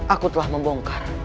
aku telah membongkar